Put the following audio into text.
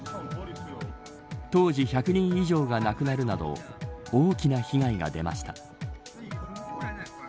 当時１００人以上が亡くなるなど大きな被害が出ました。